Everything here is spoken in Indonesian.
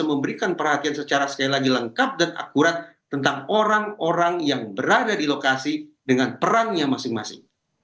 memberikan perhatian secara sekali lagi lengkap dan akurat tentang orang orang yang berada di lokasi dengan perannya masing masing